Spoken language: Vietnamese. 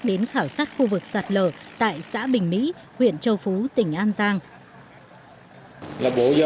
đến khảo sát khu vực sạt lở tại xã bình mỹ huyện châu phú tỉnh an giang